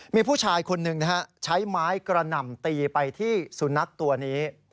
มีผู้ชายคนหนึ่งนะฮะใช้ไม้กระหน่ำตีไปที่สุนัขตัวนี้